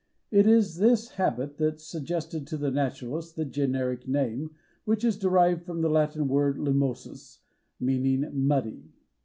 It is this habit that suggested to the naturalist the generic name, which is derived from the Latin word limosus, meaning muddy.